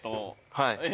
はい。